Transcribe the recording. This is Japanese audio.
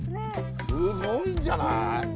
すごいんじゃない。